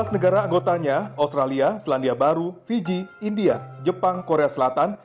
empat belas negara anggotanya australia selandia baru fiji india jepang korea selatan